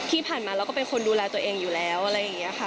ที่ผ่านมาเราก็เป็นคนดูแลตัวเองอยู่แล้วอะไรอย่างนี้ค่ะ